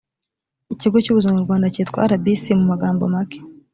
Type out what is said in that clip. ikigo cy ubuzima mu rwanda cyitwa rbc mu magambo make